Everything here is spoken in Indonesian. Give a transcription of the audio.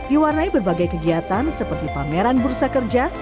diwarnai berbagai kegiatan seperti pameran bursa kerja